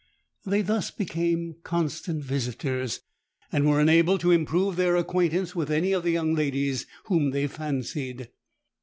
They thus became constant visitors, and were enabled to improve their acquaintance with any of the young ladies whom they fancied.